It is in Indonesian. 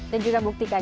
dan juga buktikan